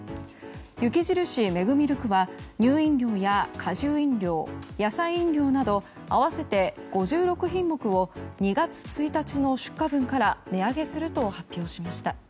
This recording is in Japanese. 雪印メグミルクは乳飲料や果汁飲料、野菜飲料など合わせて５６品目を２月１日の出荷分から値上げすると発表しました。